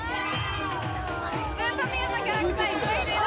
「ズートピア」のキャラクターいっぱいいるよ・